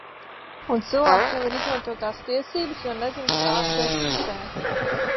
Un cilvēks nevar izmantot tās tiesības, jo nezina, ka tās eksistē.